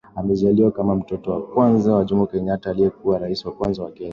Amezaliwa kama mtoto wa kwanza wa Jomo Kenyatta aliyekuwa rais wa kwanza wa Kenya